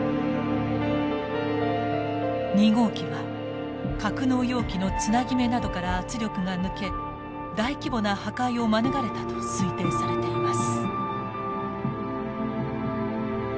２号機は格納容器のつなぎ目などから圧力が抜け大規模な破壊を免れたと推定されています。